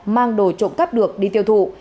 mang đồ trộm cắp được đi tiêu thụ